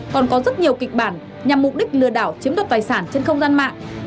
ngoài ra còn có rất nhiều kịch bản nhằm mục đích lừa đảo chiếm đột tài sản trên không gian mạng